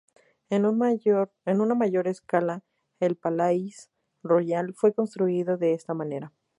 En una mayor escala, el Palais Royal fue construido de esta manera.